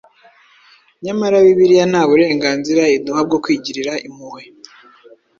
Nyamara Bibiliya nta burenganzira iduha bwo kwigirira impuhwe.